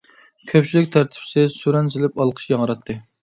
كۆپچىلىك تەرتىپسىز سۈرەن سېلىپ، ئالقىش ياڭراتتى.